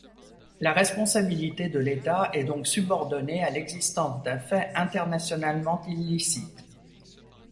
La responsabilité de l’État est donc subordonnée à l'existence d'un fait internationalement illicite.